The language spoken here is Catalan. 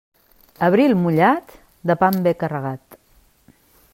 Abril mullat, de pa en ve carregat.